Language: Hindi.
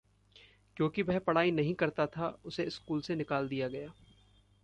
कयोंकि वह पढ़ाई नहीं करता था, उसे स्कूल से निकाल दिया गया।